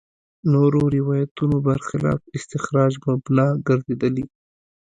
نورو روایتونو برخلاف استخراج مبنا ګرځېدلي.